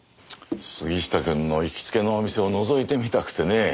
杉下くんの行きつけのお店をのぞいてみたくてねぇ。